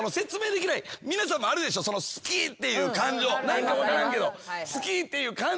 何か分からんけど。